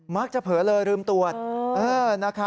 มักจะเผลอเลยลืมตรวจ